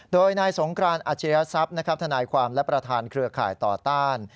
โดยนายสงครานอาจิริยศัพท์ธนายความและประธานเครือข่ายต่อต้าน